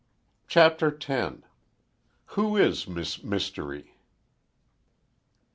CHAPTER X WHO IS MISS MYSTERY?